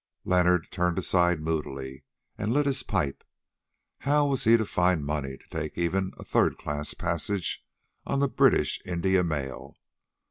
Leonard turned aside moodily and lit his pipe. How was he to find money to take even a third class passage on the British India mail?